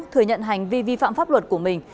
thừa nhận hành vi vi phạm pháp luật của mình